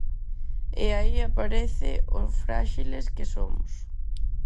E aí aparece o fráxiles que somos.